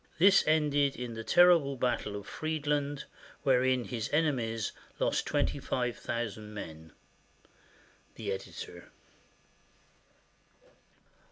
This ended in the terrible battle of Friedland, wherein his enemies lost twenty five thousand men. The Editor.